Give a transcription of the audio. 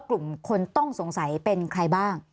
กลุ่มคนต้องสงสัยเป็นใครบ้าง